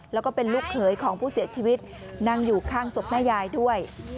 แล้วก็เป็นลูกเขยของผู้เสียชีวิตนั่งอยู่ข้างศพแม่ยายด้วย